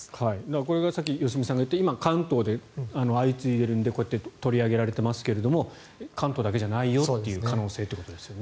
これがさっき良純さんが言った今、関東で相次いでいるのでこうやって取り上げられているんですが関東だけじゃないよという可能性ですね。